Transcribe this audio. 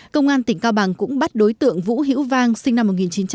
công an tỉnh cao bằng cũng bắt đối tượng vũ hiễu vang sinh năm một nghìn chín trăm tám mươi